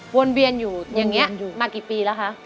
วนเวียนอยู่อย่างนี้มากี่ปีแล้วคะ